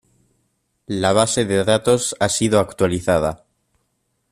La base de datos ha sido actualizada.